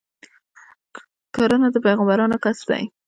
کرنه د پیغمبرانو کسب دی.